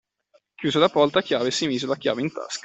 Chiuse la porta a chiave e si mise la chiave in tasca.